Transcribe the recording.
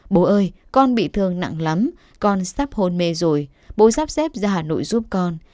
bố ơi con bị thương nặng lắm con sắp hôn mê rồi bố sắp xếp ra hà nội giúp con